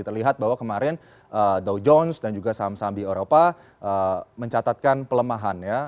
terlihat bahwa kemarin dow jones dan juga saham saham di eropa mencatatkan pelemahan ya